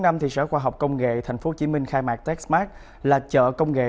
sáng ba mươi tháng năm sở khoa học công nghệ tp hcm khai mạc techsmart là chợ công nghệ